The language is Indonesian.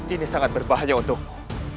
ini sangat berbahaya untukmu